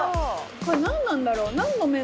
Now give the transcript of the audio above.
これ何なんだろう？